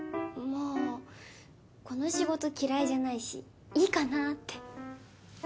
まあこの仕事嫌いじゃないしいいかなって。